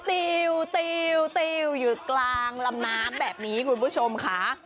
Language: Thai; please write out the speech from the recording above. ติวอยู่กลางลำน้ำแบบนี้คุณผู้ชมค่ะ